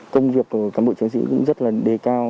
công việc của cán bộ chiến sĩ cũng rất là đề cao